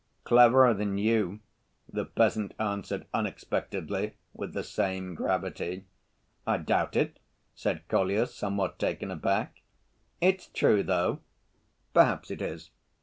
"Cleverer than you," the peasant answered unexpectedly, with the same gravity. "I doubt it," said Kolya, somewhat taken aback. "It's true, though." "Perhaps it is."